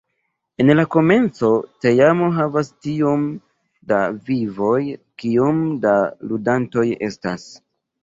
En la komenco teamo havas tiom da "vivoj", kiom da ludantoj estas.